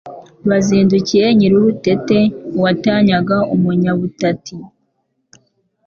Bazindukiye Nyir-urutete, Uwatanyaga Umunya-butati.